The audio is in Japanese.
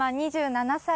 ２７歳。